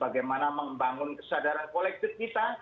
bagaimana membangun kesadaran kolektif kita